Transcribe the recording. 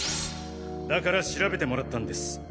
だから調べてもらったんです。